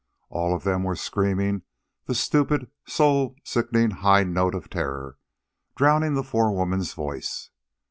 All of them were screaming the stupid, soul sickening high note of terror, drowning the forewoman's voice.